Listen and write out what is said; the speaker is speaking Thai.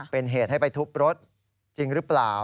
เป็นเหตุให้ไปทุบรถจริงหรือเปล่า